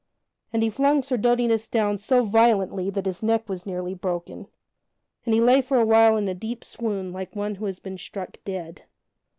And he flung Sir Dodinas down so violently that his neck was nearly broken, and he lay for a while in a deep swoon like one who has been struck dead.